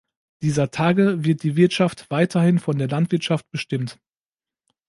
Dieser Tage wird die Wirtschaft weiterhin von der Landwirtschaft bestimmt.